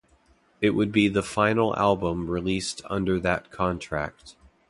It would be the final album released under that contract.